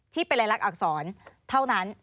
ที่เป็นรายลักษณอักษรเท่านั้น